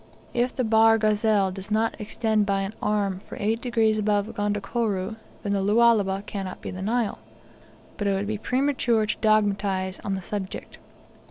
If the Bahr Ghazal does not extend by an arm for eight degrees above Gondokoro, then the Lualaba cannot be the Nile. But it would be premature to dogmatise on the subject.